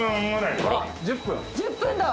１０分？